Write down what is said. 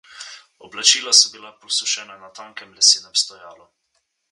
Oblačila so bila posušena na tankem lesenem stojalu.